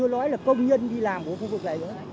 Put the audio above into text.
đó là công nhân đi làm của khu vực này